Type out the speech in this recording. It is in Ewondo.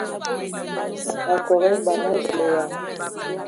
Akol a eban e ! Zulǝyaŋ!